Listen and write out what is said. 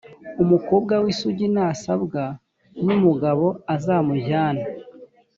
umukobwa w’isugi nasabwa n’umugabo azamujyane,